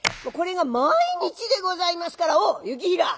これが毎日でございますから「おう行平！